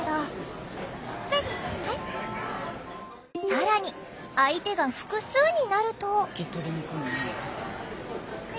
更に相手が複数になると。